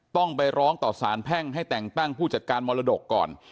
ต้องไปร้องต่อสารแพ่งให้แต่งตั้งผู้จัดการมรดกก่อน